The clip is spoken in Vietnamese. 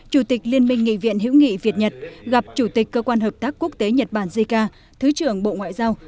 chủ tịch liên minh nghị viện hữu nghị việt nhật gặp chủ tịch cơ quan hợp tác quốc tế nhật bản jica thứ trưởng bộ ngoại giao